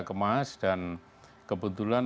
kemas dan kebetulan